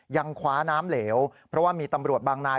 ยังคว้าน้ำเหลวเพราะว่ามีตำรวจบางนาย